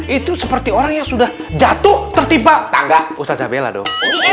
itu seperti orang yang sudah jatuh tertiba tangga ustadz abel aduh